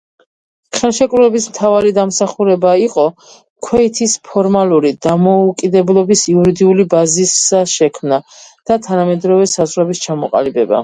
ხელშეკრულების მთავარი დამსახურება იყო ქუვეითის ფორმალური დამოუკიდებლობის იურიდიული ბაზისა შექმნა და თანამედროვე საზღვრების ჩამოყალიბება.